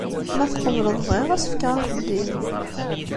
Ma tqebleḍ, bɣiɣ ad as-fkeɣ axeddim.